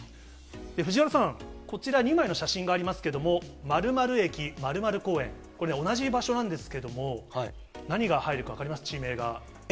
藤原さん、こちら、２枚の写真がありますけれども、○○駅、○○公園、これ同じ場所なんですけれども、何が入るか分かります？